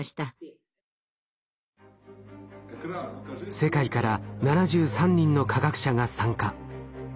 世界から７３人の科学者が参加。